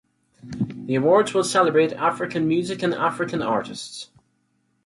The awards will celebrate African music and African artists.